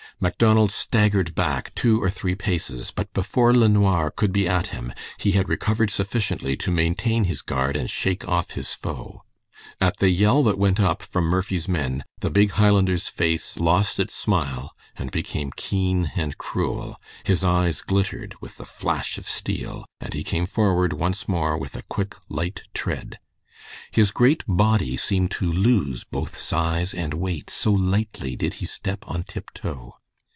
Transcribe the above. Macdonald staggered back two or three paces, but before LeNoir could be at him, he had recovered sufficiently to maintain his guard, and shake off his foe. At the yell that went up from Murphy's men, the big Highlander's face lost its smile and became keen and cruel, his eyes glittered with the flash of steel and he came forward once more with a quick, light tread. His great body seemed to lose both size and weight, so lightly did he step on tiptoe.